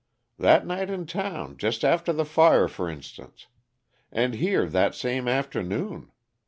"That night in town, just after the fire, for instance. And here, that same afternoon.